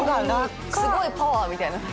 すごいパワーみたいだね。